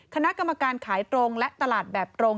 คณะกรรมการขายตรงและตลาดแบบตรง